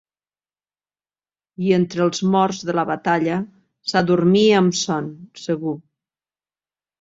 I entre els morts de la batalla s’adormia amb son, segur.